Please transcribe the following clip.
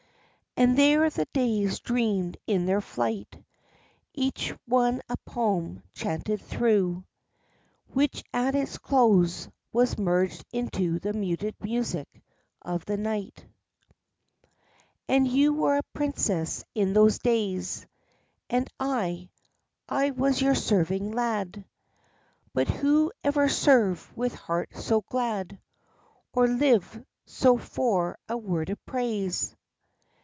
And there the days dreamed in their flight, each one a poem chanted through, Which at its close was merged into the muted music of the night. And you were a princess in those days. And I I was your serving lad. But who ever served with heart so glad, or lived so for a word of praise?